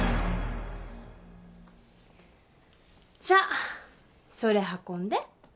じゃあそれ運んで。